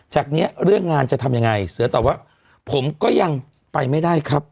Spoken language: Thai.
จากนี้เรื่องงานจะทำยังไงเสือตอบว่าผมก็ยังไปไม่ได้ครับ